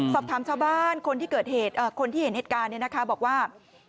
ชาวบ้านคนที่เห็นเหตุการณ์เนี่ยนะคะบอกว่า